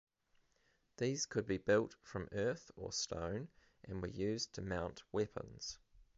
These could be built from earth or stone and were used to mount weapons.